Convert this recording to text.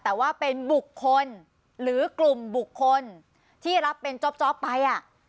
แต่ว่าเป็นบุคคลหรือกลุ่มบุคคลที่รับเป็นจ๊อบไป